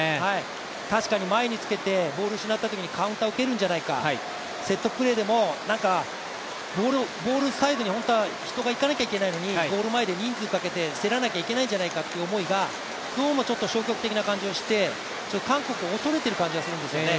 確かに前につけてボールを失ったときにカウンターを受けるんじゃないか、セットプレーでも、ゴールサイドに本当は人が行かなきゃいけないのにゴール前で人数かけて競らなきゃいけないんじゃないかという思いが、どうもちょっと消極的な感じがして、韓国を恐れているような感じがするんですよね。